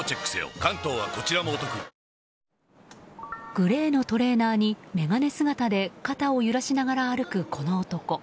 グレーのトレーナーに眼鏡姿で肩を揺らしながら歩く、この男。